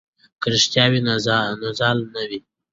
که رښتیا وي نو زال نه وي.